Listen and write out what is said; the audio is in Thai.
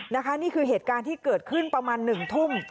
นี่คือเหตุการณ์ที่เกิดขึ้นประมาณ๑ทุ่ม